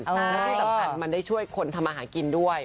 แล้วที่สำคัญมันได้ช่วยคนทำอาหารกินด้วย